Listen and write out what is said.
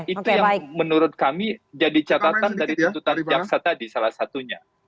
itu yang menurut kami jadi catatan dari tuntutan jaksa tadi salah satunya